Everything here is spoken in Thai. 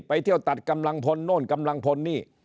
ก็ตัดกำลังพลโน่นกำลังพลนี่